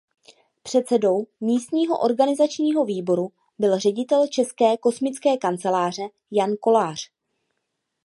Předsedou místního organizačního výboru byl ředitel České kosmické kanceláře Jan Kolář.